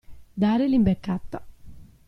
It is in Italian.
Dare l'imbeccata.